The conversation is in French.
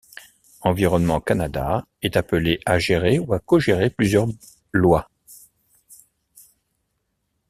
Environnement Canada est appelé à gérer ou à cogérer plusieurs lois.